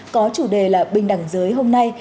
có chủ đề là bình đẳng giới hôm nay